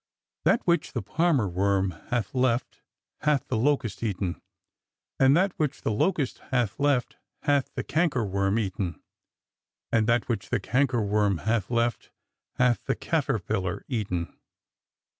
That which the palmer worm hath left hath the locust eaten ; and that which the locust hath left hath the canker BORDER WARFARE BEGINS 203 womi eaten; and that which the cankerworm hath left hath the caterpillar eaten."